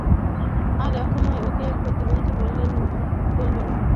আর কখনও ওকে প্রতিবন্ধী বলবেন না।